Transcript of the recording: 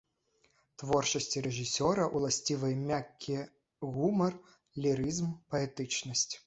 Творчасці рэжысёра ўласцівыя мяккі гумар, лірызм, паэтычнасць.